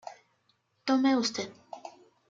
Tome Ud.